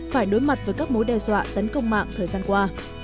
phải đối mặt với các mối đe dọa tấn công mạng thời gian qua